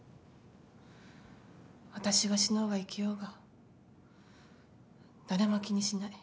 私が死のうが生きようが誰も気にしない。